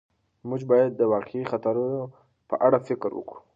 موږ باید د واقعي خطرونو په اړه فکر وکړو.